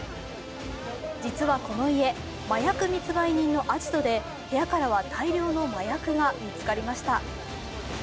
実はこの家、麻薬密売人のアジトで部屋からは大量の麻薬が見つかりました。